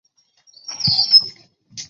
一九二九年二月再版。